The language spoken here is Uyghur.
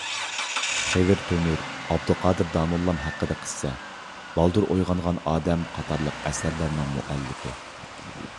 خېۋىر تۆمۈر «ئابدۇقادىر داموللام ھەققىدە قىسسە»، «بالدۇر ئويغانغان ئادەم» قاتارلىق ئەسەرلەرنىڭ مۇئەللىپى.